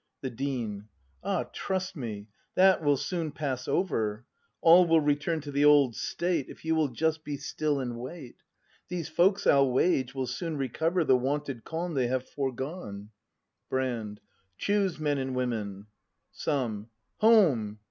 The Dean. Ah, trust me, that will soon pass over. All will return to the old state. If you will just be still and wait. These folks, I'll wage, will soon recover The wonted calm they have foregone. ACT V] BRAND 275 Brand. Choose, men and women! Some, Home!